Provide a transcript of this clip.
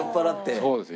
そうですね。